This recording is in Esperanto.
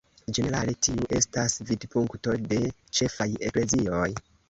Ĝenerale tiu estas vidpunkto de ĉefaj eklezioj.